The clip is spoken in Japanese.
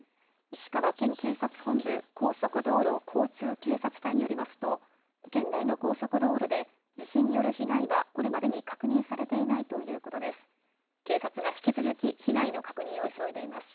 石川県警察本部高速道路交通警察隊によりますと県内の高速道路で地震による被害はこれまでに確認されていないということです。